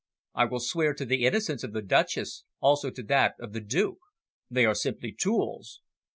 "I will swear to the innocence of the Duchess, also to that of the Duke. They are simply tools.